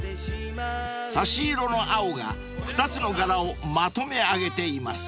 ［差し色の青が２つの柄をまとめ上げています］